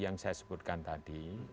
yang saya sebutkan tadi